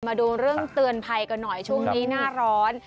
มาดูเรื่องเตือนภัยกันหน่อยช่วงนี้หน้าร้อน